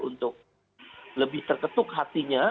untuk lebih terketuk hatinya